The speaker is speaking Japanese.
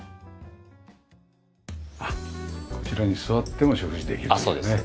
あっこちらに座っても食事できるというね。